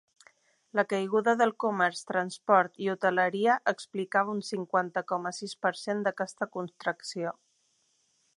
La caiguda del comerç, transport i hoteleria explicava un cinquanta coma sis per cent d’aquesta contracció.